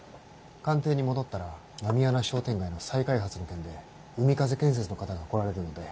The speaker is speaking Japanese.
官邸に戻ったら狸穴商店街の再開発の件で海風建設の方が来られるので。